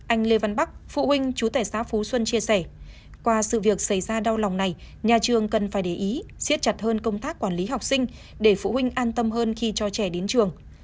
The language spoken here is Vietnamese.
anh lê văn bắc phụ huynh chú tẻ xá phú xuân chia sẻ qua sự việc xảy ra đau lòng này nhà trường cần phải để ý xiết chặt hơn công tác quản lý học sinh để phụ huynh an tâm hơn khi cho trẻ đến trường